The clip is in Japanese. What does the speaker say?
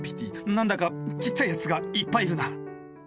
なんだかちっちゃいやつがいっぱいいるな。